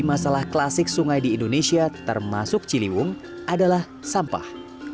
masalah klasik sungai di indonesia termasuk ciliwung adalah sampah